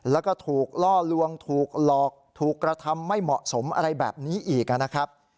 แล้วก็ถูกล่อลวงถูกหลอกถูกกระทำไม่เหมาะสมอะไรแบบนี้อีกนะครับ